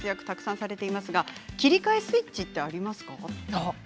たくさんされていますが切り替えスイッチはありますか？